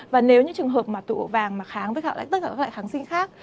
và nếu như trường hợp mà tụ ổ vàng mà kháng với các loại kháng sinh khác